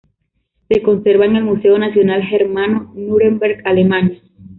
Se conserva en el Museo Nacional Germano, Núremberg, Alemania.